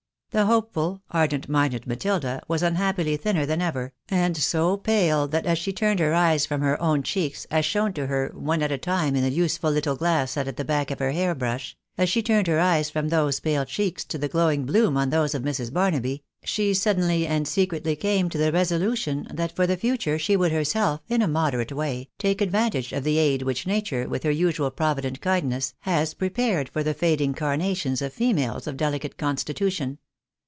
The hopeful, ardent minded Matilda, was unhappily thinner than ever, and so pal that as she turned her eyes from her own cheeks, as shown to her o e at a time in the useful little glass set at the back of her hair brush, as she turned her eyes from those pale cheeks to the glowing bloom on those of Mrs. Barnaby, she suddenly and secretly came to the resolution, that for the future she would herself (in a moderate way) take advantage of the aid which nature, with her usual provident c 34 THE BAENABYS IN AMERICA. kindness, has prepared for the lading carnations of females of dehcate constitution.